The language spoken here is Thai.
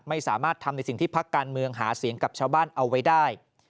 ไม่สามารถทำในสิ่งที่พักการเมืองหาเสียงกับชาวบ้านเอาไว้ได้